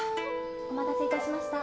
お待たせいたしました。